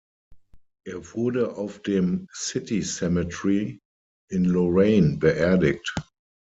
Er wurde auf dem "City Cemetery" in Loraine beerdigt.